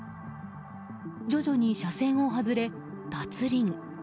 徐々に車線を外れ、脱輪。